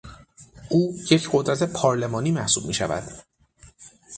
او یک قدرت پارلمانی محسوب میشود.